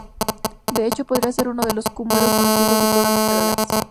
De hecho, podría ser uno de los cúmulos más viejos de toda nuestra galaxia.